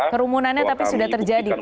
kerumunannya tapi sudah terjadi pak